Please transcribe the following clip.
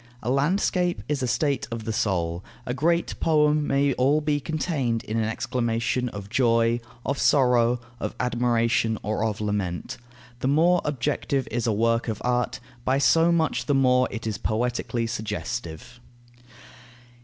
A landscape is a state of the soul; a great poem may all be contained in an exclamation of joy, of sorrow, of admiration, or of lament. The more objective is a work of art, by so much the more is it poetically suggestive.